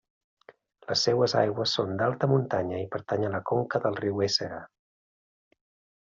Les seues aigües són d'alta muntanya i pertany a la conca del riu Éssera.